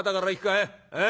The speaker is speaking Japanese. ええ？